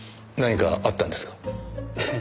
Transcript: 何かあったんですか？